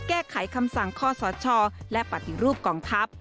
แก้ไขคำสั่งข้อสชและปฏิรูปกองทัพ